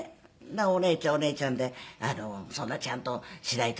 お姉ちゃんはお姉ちゃんで「そんなちゃんとしないと駄目よ」